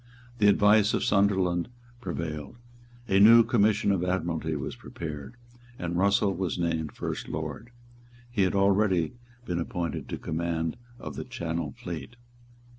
The advice of Sunderland prevailed. A new Commission of Admiralty was prepared; and Russell was named First Lord. He had already been appointed to the command of the Channel fleet.